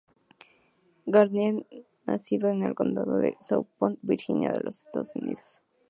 Gardiner nació en el Condado de Southampton, Virginia, en los Estados Unidos.